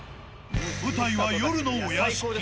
舞台は夜のお屋敷。